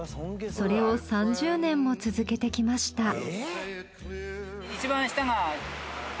それを３０年も続けてきました。